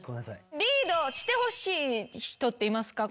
リードしてほしい人っていますか？